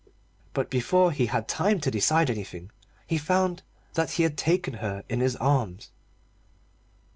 But before he had time to decide anything he found that he had taken her in his arms.